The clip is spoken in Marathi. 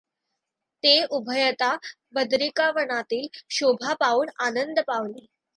ते उभयता बदरिकावनातील शोभा पाहून आनंद पावले.